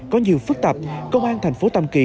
có nhiều phức tạp công an thành phố tam kỳ